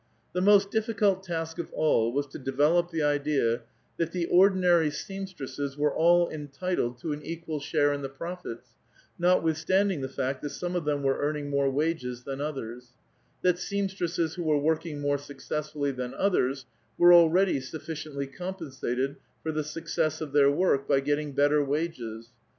The most dilHcult task of all was to develop the idea that the oixlinarv seamstresses were all entitled to an e(iual share in the profits, notwithstanding the fact that some of them were earning more wages than others ; that seam stresses who were working more successfully than others were already sulliciently comi)ensatcd for the success of their work by gettinji: lx»tter wages.